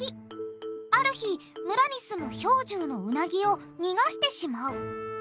ある日村に住む兵十のウナギを逃がしてしまう。